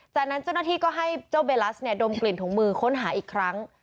จากนั้นเจ้าหน้าที่ก็ให้เจ้าเบลัสเนี่ยดมกลิ่นถุงมือค้นหาอีกครั้ง